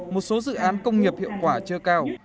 một số dự án công nghiệp hiệu quả chưa cao